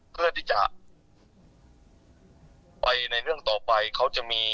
เพื่อที่จะไปในเรื่องต่อไปเขาจะมี